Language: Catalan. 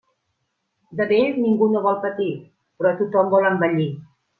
De vell ningú no vol patir, però tothom vol envellir.